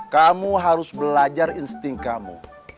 kamu harus belajar insting kamu